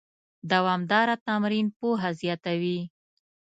دوامداره تمرین پوهه زیاتوي.